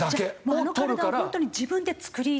あの体は本当に自分で作り上げた？